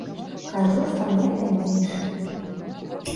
Кажу, што мне таннейшы.